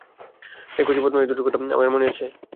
এই কচি বদমাশ দুটোর কথা আমার মনে আছে।